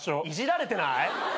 イジられてない？